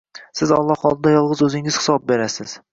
Siz Alloh oldida yolg‘iz o‘zingiz hisob berasiz.